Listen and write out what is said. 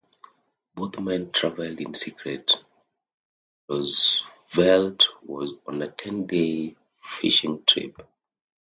Both men traveled in secret; Roosevelt was on a ten-day fishing trip.